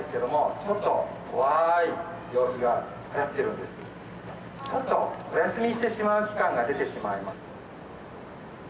ちょっとお休みしてしまう期間が出てしまいます。